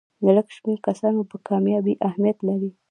د لږ شمېر کسانو کامیابي اهمیت لري.